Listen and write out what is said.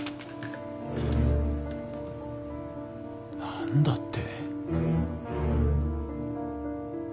何だって？